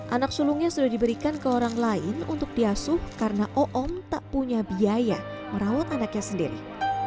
anak sulungnya sudah diberikan ke orang lain untuk diasuh karena oom ⁇ tak punya biaya merawat anaknya sendiri